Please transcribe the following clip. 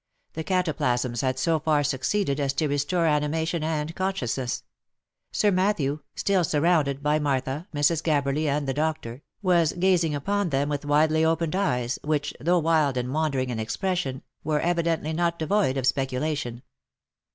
The cataplasms had so far succeeded as to restore animation and consciousness : Sir Matthew, still surrounded by Martha, Mrs. Gabberly, and the doctor, ■was gazing upon them with widely opened eyes, which, though wild and wandering in expression, were evidently not devoid of speculation.